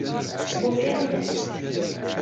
Ufiɣ-ten!